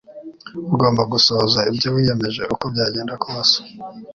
Ugomba gusohoza ibyo wiyemeje uko byagenda kose.